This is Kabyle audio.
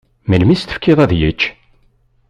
Melmi i s-tefkiḍ ad yečč?